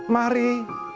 mari kita berdoa